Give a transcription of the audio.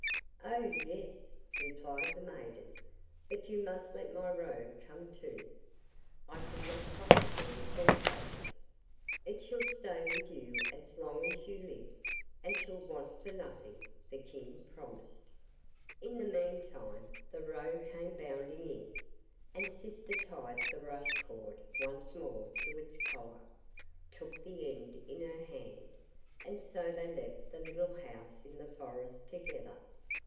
'Oh yes!' replied the maiden, 'but you must let my Roe come too. I could not possibly forsake it.' 'It shall stay with you as long as you live, and shall want for nothing,' the King promised. In the meantime the Roe came bounding in, and sister tied the rush cord once more to its collar, took the end in her hand, and so they left the little house in the forest together.